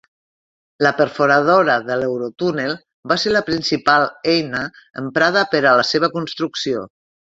La perforadora de l'Eurotúnel va ser la principal eina emprada per a la seva construcció.